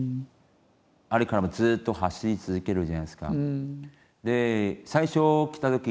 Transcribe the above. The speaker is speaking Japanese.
あれからもうずっと走り続けるじゃないですか。